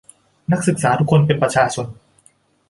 นักศึกษาทุกคนเป็นประชาชน